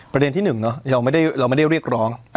ประเด็นที่หนึ่งเนอะเราไม่ได้เรียกร้อง